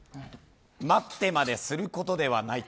待ってまですることではないと。